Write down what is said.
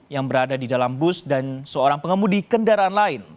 yang berada di dalam bus dan seorang pengemudi kendaraan lain